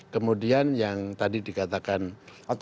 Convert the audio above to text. kemudian yang tadi dikatakan pak muldoko